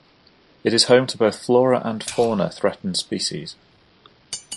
It is home to both flora and fauna threatened species.